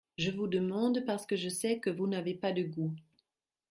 Je vous demande parce que je sais que vous n’avez pas de goût…